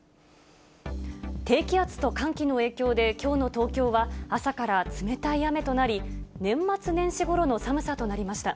低気圧と寒気の影響できょうの東京は朝から冷たい雨となり、年末年始ごろの寒さとなりました。